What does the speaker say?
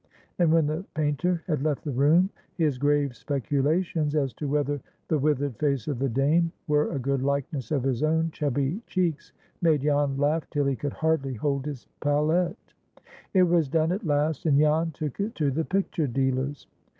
and, when the painter had left the room, his grave speculations as to whether the withered face of the dame were a good likeness of his own chubby cheeks made Jan laugh till he could hardly hold his palette. It was done at last, and Jan took it to the picture dealer's.